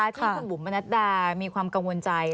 ที่คุณบุ๋มมนัดดามีความกังวลใจ